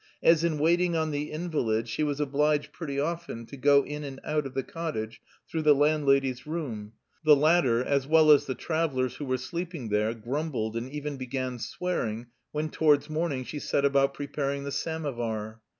As in waiting on the invalid she was obliged pretty often to go in and out of the cottage through the landlady's room, the latter, as well as the travellers who were sleeping there, grumbled and even began swearing when towards morning she set about preparing the samovar.